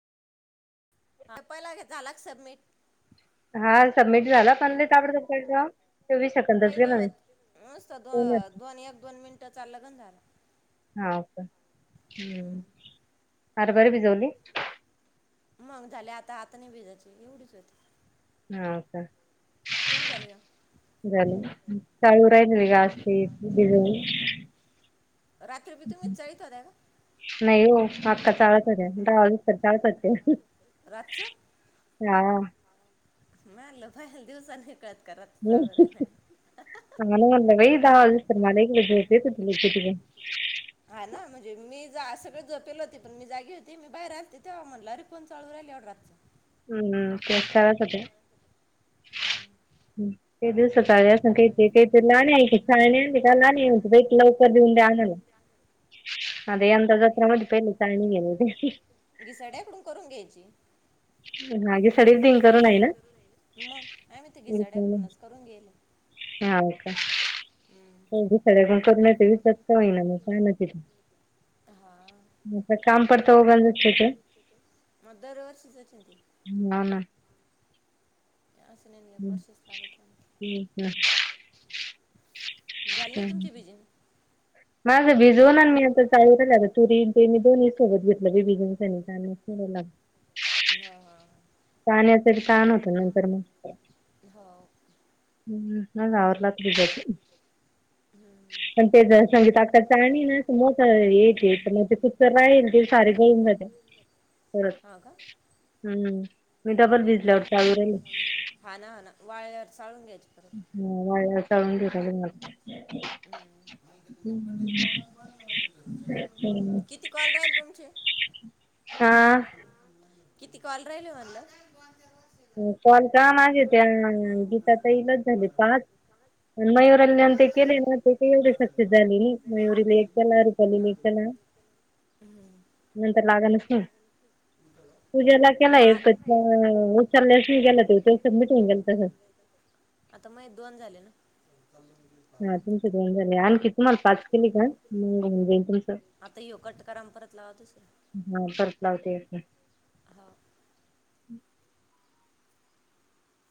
पहिला झाला का सबमिट? हा सबमिट झाला पण लई ताबडतोप पडले ओ चोवीस काही सेकंदच नाही म्हणे. होत नुसतं [unintelligible] अन एक दोन मिनिटं त्याचं लग्न झालंय. हा का हम्म हरभरे भिजवली? मग झालं आता-आता नाही भिजायची एवढीच होती. हा का. तुम्ही झाले का झालेना चाळू राहिले [unintelligible] भिजवले. [unintelligible] नाही हो अक्का चाळत होत्या [unintelligible] होते. [unintelligible] [unintelligible] नाही आणलं पाहायल दिवसा नाही कळत करत हा आ ना म्हलं बाई दहा वाजतो मला [unintelligible] झोप येत होती [unintelligible] हा ना म्हणजे मी जा सगळे झोपेल होते पण मी जागी होती मी बाहेर आलते तेव्हा म्हणलं अरे कोण चाळू राहिल एवढ्या रातच. हम्म त्या चाळत होत्या ते दिस चाळल असेल ते काही हे काही लहानई ची चाळणी आणली का लहानई म्हणती बाई तू लवकर देऊन दे आम्हाला. [inaudible] आता यंदा जत्रा मध्ये पहिले चाळणी घेऊन येते. घिसाड्याकडून करून घ्यायची. मागे सडील दिंकरून आहे ना. मग आम्ही ते विसायला. घिसाड्याकडूनच करून घेईल. हा का. पाहू घिसाड्याकडून करू नाही तर विकत का होईना [unintelligible] हा. मोकार काम पडत उगाच नसलं तर. मग आता दरवर्षीचच आहे ते. [unintelligible] ना. असं नाही एक हम्म. वर्षातच लागतं ना. [unintelligible] झाले का हम्म. तुमचे बिजून? माझं बिजोन अन मी आता चाळू राहिले आता तुरी ते मी दोन्ही सोबत घेतलं बाई बिजून सनी. [unintelligible] [unintelligible] पाण्याचा ताण होत नंतर मग. हा हो हम्म माझं आवरलात आता भिजवते. हम्म. पण ते सांगिता अक्काची चाळणी ना अस मोठं येत पण मग ते [unintelligible] तर राहील ते सारे गळन [inaudible] परत हा का हम्म मी डबल भिजल्यावर चालू राहिले. हां ना हां ना वाळ्यावर चाळून घ्यायचे. वाळल्यावर चाळून घेता मला. हम्म. हम्म किती कॉल राहीले तुमचे? हा किती कॉल राहिले म्हणल? कॉल का माझे ते गीता ताईलाच झाले पाच आन मयूर [unintelligible] केलेले ते सक्सेस नाही झाले ‌. मयुरी लाईक केल्या रूपालीला एक केला. हम्म. नंतर लागनच ना पूज्याला केला मा एक उचलाच नाही गेला तो सबमिट होऊन गेल तसाच. आता मये दोन झाले ना. [inaudible] हा तुमचे दोन झाले आणखी तुम्हाला पाच केले का मग होऊन जाईल तुमच. आता ह्यो कट करा आन परत लावा दुसरा. हा परत लावते. हां.